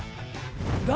誰？